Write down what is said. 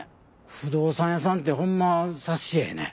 不動産屋さんってほんま察しええね。